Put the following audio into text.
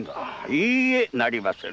いいえなりませぬ。